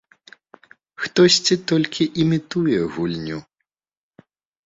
Хтосьці толькі імітуе гульню.